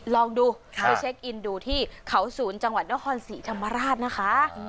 ลองดูไปเช็คอินดูที่เขาศูนย์จังหวัดนครศรีธรรมราชนะคะ